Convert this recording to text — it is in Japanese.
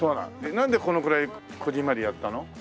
なんでこのくらいこぢんまりやったの？